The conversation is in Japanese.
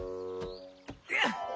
よっ！